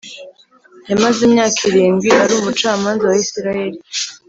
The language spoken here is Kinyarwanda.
Yamaze imyaka irindwi ari umucamanza wa Isirayeli